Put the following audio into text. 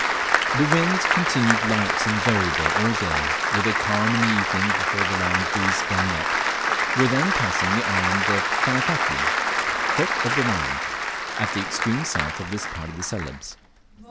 The wind continued light and variable all day, with a calm in the evening before the land breeze sprang up, were then passing the island of "Tanakaki" (foot of the land), at the extreme south of this part of Celebes.